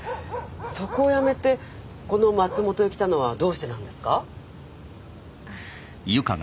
そこを辞めてこの松本へ来たのはどうしてなんですか？